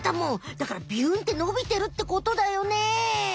だからビュンってのびてるってことだよね？